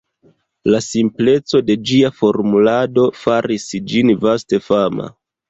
La simpleco de ĝia formulado faris ĝin vaste fama.